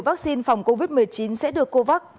vắc xin phòng covid một mươi chín sẽ được covax